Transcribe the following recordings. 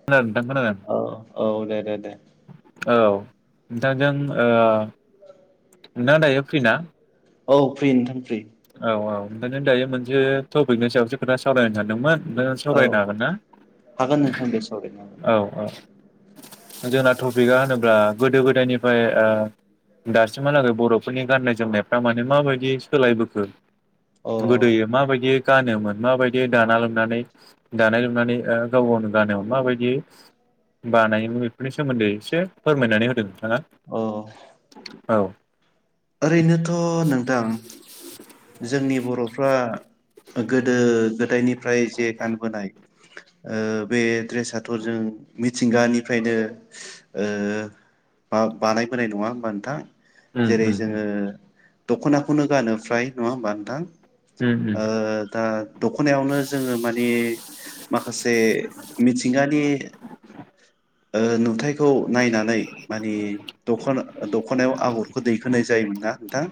खोनादों नोंथां खोनादो औ औ दे दे दे औ नोंथांजों ओ नोंथांआ दायो फ्रि ना? औ फ्रि नोंथां। फ्रि औ औ ओंखायनो दायो मोनसे टपिकनि सायावसो खोथा सावलायनो सानदोंमोन? नों औ सावरायनो हागोन ना? हागोन नोंथां दे सावरायनो [inaudible] औ औ जोंना टपिकआ होनोब्ला गोदो गोदायनिफ्राय दासिमहालागै बर'फोरनि गाननाय जोमनायफ्रा माने माबायदि सोलायबो ओ हागोन गोदोयो माबायदि गानोमोन माबायदि दाना लुनानै दानाय लुनानै ओ गाव गावनो गानोमोन माबायदि बानायोमोन बेफोरनि सोमोन्दै एसे फोरमायनानै होदो। अ हो औ ओरैनोथ नोंथां जोंनि बरफ्रा गोदो गोदायनि ओमफ्राय जे गानबोनाय ओ बे ड्रेसाथ' जों मिथिंगानिफ्रायनो ओ बा बानायबोनाय नंङा होमबा नोंथां? उम जेरै उम जोंङो दखनाखौनो गानो फ्राय नंङा ओमबा नोंथां? उम उम ओ दा दखनायावनो जोंङो माने माखासे मिथिंगानि ओ नुथायाइखौ नायनानै मानि दखना दखनायाव आगरखौ दैखोनाय जायोमोना नोंथां।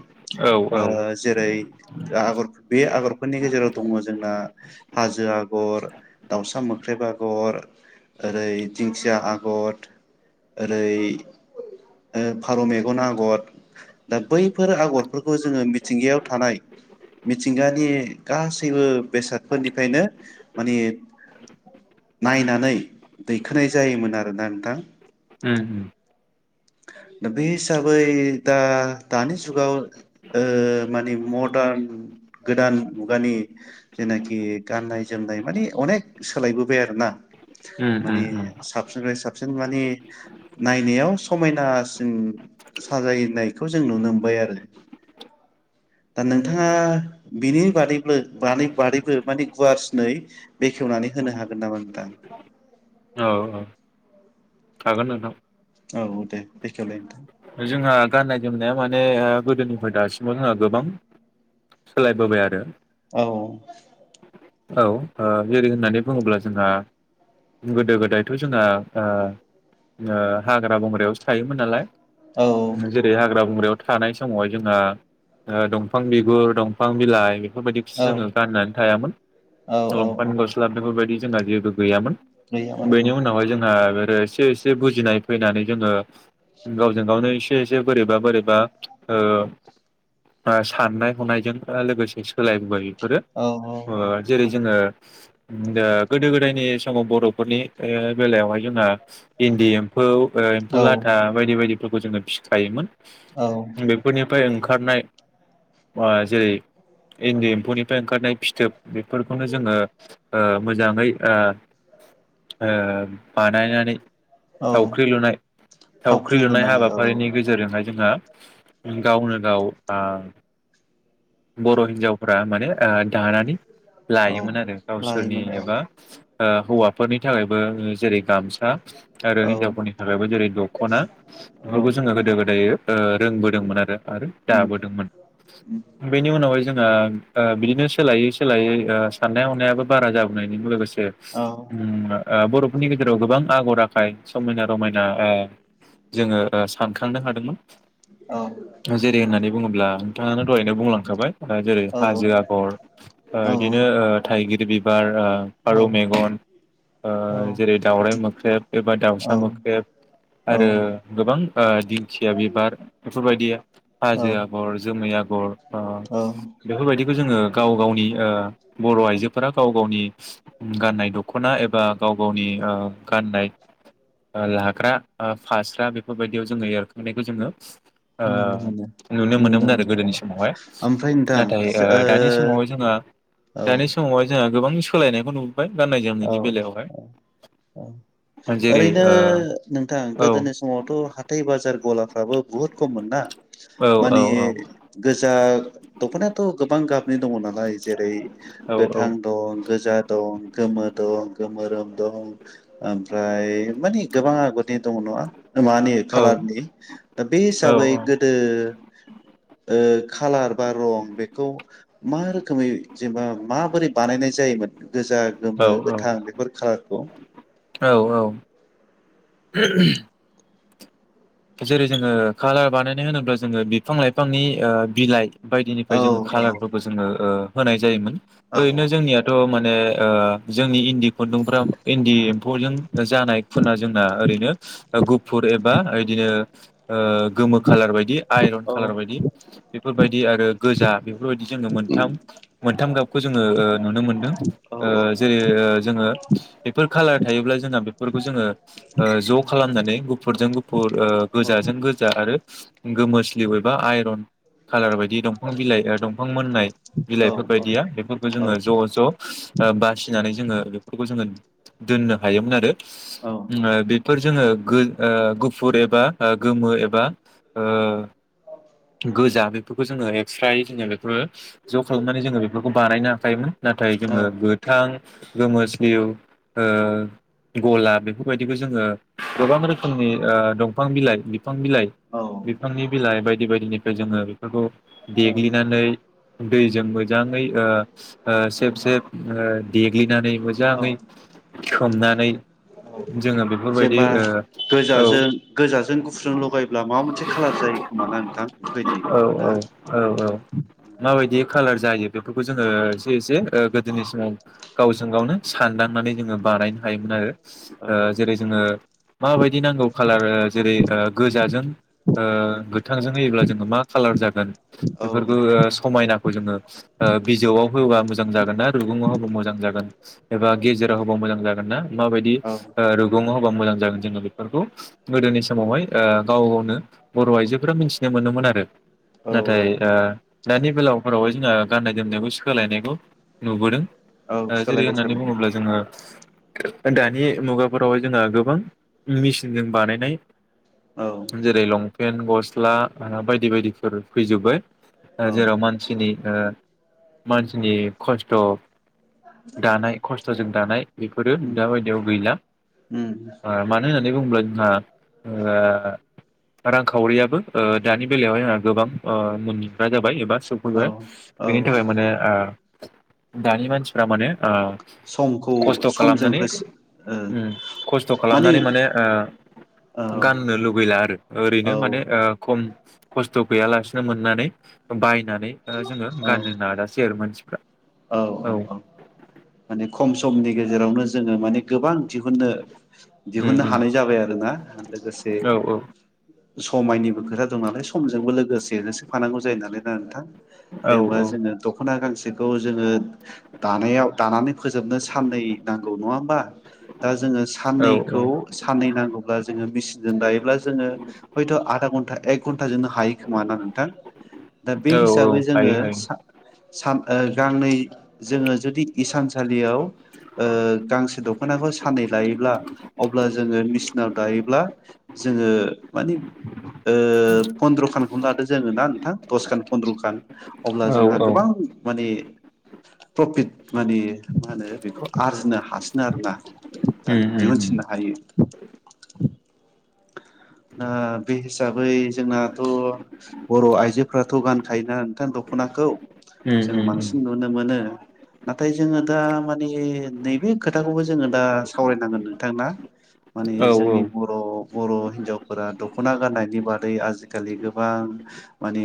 औ ओ औ जेरै आगर बे आगरफोरनि गेजेराव दङ जोंना हाजो आगर, दाउसा मोख्रेब आगर, ओरै दिंखिया आगर, ओरै फारौ मेगन आगर दा बैफोर आगरफोरखौ जोङो मिथि मिथिंगायाव थानाय मिथिंगानि गासैबो बेसादफोरनिफ्रायनो माने नायनानै दैखोनाय जायोमोन आरोना नोंथां। ओम। दा बे हिसाबै दा दानि जुगाव ओ मानि मदर्न गोदान मुगानि जेनाखि गाननाय जोमनाय मानि अनेक सोलायबोबाय आरोोना उम उम माने उम साबसिननिफ्राय साब जों मानि नायनायाव सम मायनासिन साजायनायखौ जों नुनो मोनबाय आरो दा नोंथाङा बिनि बादैबो बादै बादैबो माने गुवारसिनै बेखेवनानै होनो हागोन नामा नोंथां? औ हागोन नोंथां औ दे बेखेवलाय नोंथां? जोंहा गाननाय जोमनाया माने ओ गोदोनिफ्राय दासिमाव जोंहा गोबां सोलायबोबाय आरो औ औ जेरै होननानै बुंङोब्ला जोंहा गोदो गोदायथ' जोंहा ओ ओ हाग्रा बंग्रायावसो थायोमोन नालाय। औ जेरै हाग्रा बंग्रायाव थानाय समाव जोंहा ओ दंफां बिगुर, दंफां बिलाइ बेफोरबायदि फिस जोङो औ गाननानै थायामोन। औ औ लंपेन गस्ला दों बेफोरबायदि जोंहा जेबो गैयामोन। बेनि गैयामोन उनावहाय जोंहा ओ एसे एसे बुजिनाय फैनानै जोंङो गावजों गावनो एसे एसे बोरैबा बोरैबा ओ ओ साननाय हनायजों ओ लोगोसे सोलायबोबाय बेयो। औ औ अ। जोंङो [unintelligible] गोदो गोदायनि समाव बर'फोरनि बेलायावहाय जोंहा इन्दि एम्फौ फोर एम्फौ औ लाथा बायदि बायदि फोरखौ जोंङो फिखायोमोन। बेफोरनिफ्राय ओंखार ओंखारनाय बा जेरै इन्दि एम्फौनिफ्राय ओंखारनाय फिथोब बेफोरखौनो जोंङो ओ मोजाङै ओ ओ बानायनानै औ थावख्रि लुनाय थावख्रि लुनाय हाबाफारिनि गेजेरजोंहाय जोंहा गावनो गाव आ बर' हिन्जावफोरा माने ओ दानानै औ लायोमोन आरो गावसोरनि लायोमोन एबा ओ हौवाफोरनि थाखायबो जेरै गामसा आरो औ हिनजावफोरनि थाखायबो जेरै दख'ना औ बेफोरखौ जोंङो गोदो गोदायो ओ रोंबोदोंमोन आरो आरो उम दाबोदोंमोन। उम बेनि उनावहाय जो जोंङो ओ बिदिनो सोलायै सो सोलायै ओ साननाय हनायाबो बारा जाबोनायनि लोगोसे औ ओम आ बर' फोरनि गेजेराव गोबां आगर आखाय समायना रमायना ओ जोंङो सानखांनो हादोंमोन। औ जेरै होननानै बुङोब्ला नोंथाङानो दहायनो बुंलांखाबाय आ जेरै औ हाजो आगर ओ इदिनो ओ थाय गिर बिबार ओ फारौ मेगन ओ औ जेरै दावराइ मोख्रेब एबा दाउसा मोख्रेब आरो औ गोबां [unintelligible] थिया बिबार बेफोरबायदि औ हाजो आगर जोमै आगर ओ नुनो बेफोरबायदिखौ जोंङो गाव गावनि ओ बर'आइजोफोरा गाव गावनि गाननाय दख'ना एबा गाव गावनि ओ गाननाय लाग्रा ओ फास्रा बेफोरबायदियाव जोङो एरखांनायखौ जोङो ओ मोनो नुनो मोनोमोन आरो मोनो औ गोदोनि समावहाय ओमफ्राय नोंथां नाथाय ओ दानि समावहाय जोंहा ओ दानि समाव जों गोबां सोलायनायखौ नु औ जेरै ओरैनो ओ नोंथां औ गोदोनि समावथ' हाथाइ बाजार गलाफ्राबो बुहुद खममोन ना औ औ मानि गोजा दखनाथ'। गोबां गाबनि दङ नालाय जेरै औ गोथां दं गोजा दं। गोमो दं गोमोरोम दं ओमफ्राय मानि गोबां आगरनि दं नङा। मानि खालारनि दा बे हिसाबै औ गोदो ओ खालार बा रं बेखौ मा रोखोमै जेनेबा माबोरै बानायनाय जायोमोन गोजा गोमो गोथां बेफोर खालार [unintelligible] औ औ। जेरै जोङो कालार बानायनाय होनोब्ला जोङो बिफां लाइफांनि ओ बिलाइ बायदिनिफ्राय औ जोङो औ खाालारफोरखौ जोङो ओ होनाय जायोमोन। औ ओरैनो जोंनियाथ' मान ने ओ जोंनि इन खुन्दुंफ्रा इन्दि [unintelligible] जानाय खुना जोंना ओरैनो गुफुर एबा बिदिनो ओ गोमो खालार बायदि। आइरन औ कालार बायदि बेफोरबायदि आरो गोजा बेफोरबायदि जोङो मोनथाम मोनथाम गाबखौ जोङो ओ नुनो मोनदों। औ ओ औ जेरै ओ जोङो बेफोर खालार थायोब्ला जोंना बेफोरखौ जोङो ओ ज' खालामनानै गुफुरजों फुर ओ औ गोजाजों गोजा आरो गोमोस्लिउ एबा आइरन। खालार बायदि दंफां बिलाइ ओ दंफां मोननाय औ बिलाइफोरबायदिया बेफोरखौ जोङो ज' ज' ओ बासिनानै जोङो फोरखौ जोङो दोननो हायोमोन आरो। उम बेफोर जोङो गो ओ गु गुफुर एबा गोमो एबा ओ गोजा बेफोरखौ जोङो एक्स राय जोङो बेफोरो ज' खालामनानै जोङो बेफोरखौ बानायनो हाखायोमोन नाथाय औ जोङो गोथां। गोमो सिलिउ ओ गला बेफोरबायदिखौ जोङो गोबां रोखोमनि ओ दंफां बिलाइ बिफां बिलाइ औ औ बिफांनि बिलाइ बायदि। बायदि बायदिनिफ्राय जोङो बेफोरखौ औ देग्लिनानैै दैजों मोजाङै ओ ओ सेब सेब देग्लिनानै औ मोजाङै सोमनानै औ जोङो बेफोरबायदि जेनेबा ओ औ। गोजाजों गोजाजों गुफुरजों लगायोब्ला माबा मोनसे खालार जायो खोमा ना नोंथां बेबायदि औ ना औ औ औ माबायदि खालार जायो बेफोरखौ जोङो खौ एसे ओ गोदोनि समाव गावजों गावनो सानदांनानै जोङो बानायनो हायोमोन आरो। औ ओ जेरै जोङो माबायदि नांगौ खालार ओ जेरै ओ गोजाजों ओ गो थोंजों होयोब्ला जोङो मा कालार जागोन औ बेफोरखौ समायनाखौ जोङो बिजौआव होबा मोजां जागोन ना रुगुङाव होबा मोजां जागोन एबा गेजेराव होबा मोजां जागोन ना माबायदि औ रुगुङाव होबा मोजां जागोन जोङो बेफोरखौ गोदोनि समावहाय ओ गाव गावनो बर' आइजो फोरा मिनथिनो मोनोमोन आरो। औ नाथाय ओ दानि बेलाव फोरावहाय जोंहा गान्नाय जोमनायखौ सोलायनायखौ नुबोदों औ ओ जेरै सोलायबाय होननानै सोलायबाय बुङोब्ला जोङो दानि मुगाफोरावहाय जोंहा गोबां मेचिनजों बानायनाय। औ जेरै लं पेन गस स्ला बायदि बायदिफोर फैजोब्बाय औ जेराव मानसिनि मानसिनि खस्थ' दानाय खस्थ'जों दानाय बेफोरो उम दा बायदियाव गैला उम मानो होननानै बुङोब्ला जोंहा ओ रांखावरियाबो। ओ दानि बेलायावहाय जोंहा गोबां मोनग्रा जाबाय एबा औ सफैबाय औ बेनि थाखाय माने दानि मानसिफ्रा माने समखौ खस्थ' समजों खालामनानै होसो ओ उम खस्थ' खालामनानै माने औ ओ गाननो लुबैला आरो ओरैनो औ माने ओ। खम खस्थ' गैयालासिनो मोननानै बायनानै ओ जोङो गाननो नाजासै आरो मानसिफ्रा औ। माने खम समनि गेजेरावनो जोङो माने गोबां दिहुननो। उम दिहुननो उम हानाय जाबाय आरो ना लोगोसे औ औ समायनि खोथा दं नालाय समजोंबो लोगोसेनो सोफानांगौ जायो नालाय ना नोंथां औ जेनेबा औ जोङो दख'ना गांसे बेखौ जोङो दानायाव दानानै फोजोबनो साननै नांगौ नङा होमबा? दा जोङो औ साननैखौ साननै नांगौब्ला जोङो मेचसिनजों दायोब्ला जोङो हयथ' आधा घन्टा, एक घन्टाजोंनो हायो खोमा ना नोंथां? दा बे औ औ हिसाबै हायो जोङो हायो सान गांनै जोङो जुदि इसानसालियाव ओ गांसे दख'नाखौ साननै लायोब्ला अब्ला जोङो मेचिनाव दायोब्ला जोङो मानि ओ फन्द्रखानखौनो लादो जोङो ना नोंथां दसखान फन्द्र'खान अब्ला औ जोंहा औ गोबां माने प्रफिट मानि मा होनो बेखौ आरजिनो हासिनो आरोना औ उम उम उम दिहुनसिननो हायो। ओ बे हिसाबै जोंनाथ' बर' आइजोफथ' गानखायोना नोंथां दख'नाखौ। जों उम उम उम बांसिन नुनो मोनो नाथाय जोङो दा मानि नैबे खोथाखौबो जोङो दा सावरायनांगोन नोंथां ना? माने औ जोंनि बर' बर' हिनजावफोरा दख'ना गाननायनि बादै आजिखालि गोबां माने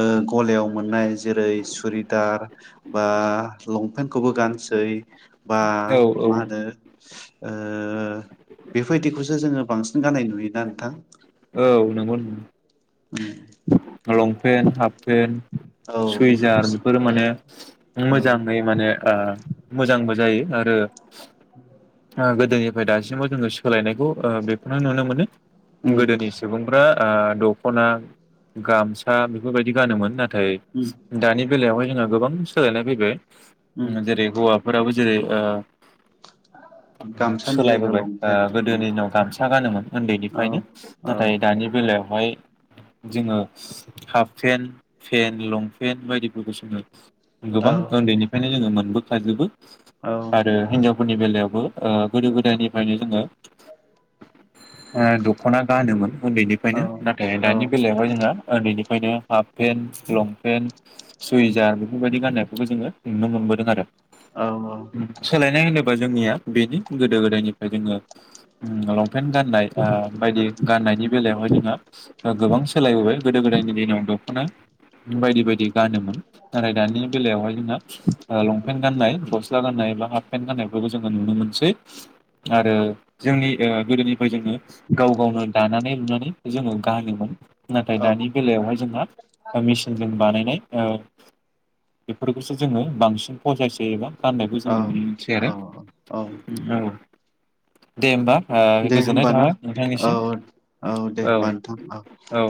ओ गलायाव मोननाय जेरै सुरिदार बा लंपेन्टखौबो गानसै बा औ औ मा होनो ओ बेबायदिखौसो जोङो बांसिन गान्नाय नुयोना नोंथां? औ नंगौ। [inaudible] [inaudible] लंपेन्ट, हाफ पेन्ट, औ सुइजार बेफोरखौसो बेफोरो माने औ मोजाङै माने ओ मोजां जायो आरो गोदोनिफ्राय दासिमाव जोङो सोलायनायखौ ओ बेखौनो नुनो मोनो उम गोदोनि सुबुंफ्रा ओ दख'ना गामसा बेफोरबायदि गानोमोन। नाथाय उम दानि बेलायावहाय जोंहा गोबां सोलायनाय फैबाय उम जेरै हौवाफोराबो जेरै दा गामसानि जायगायाव सोलायबोबाय ओ लंपेन्ट उम गोदोनि दिनाव गामसा गानोमोन औ उन्दैनिफ्रायनो औ नाथाय दानि बेलायाव ओमफ्राय जोङो हाफ पेन्ट, पेन्ट, लंपेन्ट बायदिफोरखौ जोङो औ गोबां उन्दैनिफ्रायनो जोङो मोन बो खााजोबो। औ आरो हिनजाव गुनि बेलायावबो ओ गोदो गोदायनिफ्रायनो जोङो दख'ना गानोमोन। औ उन्दैनिफ्रायनो नाथाय दानि बेेलायावहाय नोङो ओ बेनि ओखायनो हाफ पेन्ट लंपेन्ट सुइजार बेफोरबायदि गाननायफोरखौबो जोङो नुनो मोनबोदों आरो। औ औ सोलायनाय होनोबा जोंनिया बेनि गोदो गोदायनिफ्राय जोङो ल पेन गाननाय ओ बायदि गाननायनि बेलायावहाय जोंङो ओ। गोबां सोलायबोबाय गोदो गोदायनि दिनाव द खना बायदि बायदि गानोमोन। नथाय दानि बेलायावहाय जोङो ओ लंपेन्ट गाननाय गस्ला गाननाय बा हा पेन गनायफोरखौ जो नुनो मोनसै आरो जोंनि ओ गोदोनि जोङो गाव गावनो दानानै लुनानै जोङो गानोमोन। नाथाय औ दानि बेलायावहाय जोंहा मेचिनजों बानायनाय‌। ओ बेफोरखौसो जोङो बांसिन फसायसै एबा गाननायखौ औ जों मिथियो आरो औ औ। दे होमबा। ओ दे होमब गोजोननाय ना थाबाय औ नोंथांनिसिम औ दे होनबा नोंथां औ। औ।